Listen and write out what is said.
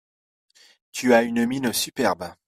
Tu as une mine superbe.